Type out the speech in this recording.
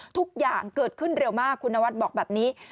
ทุกอย่างเกิดขึ้นเร็วมากคุณนวัดบอกแบบนี้